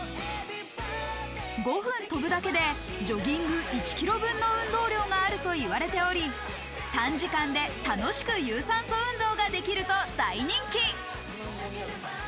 ５分跳ぶだけでジョギング１ｋｍ分の運動量があると言われており、短時間で楽しく有酸素運動ができると大人気。